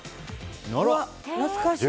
懐かしい。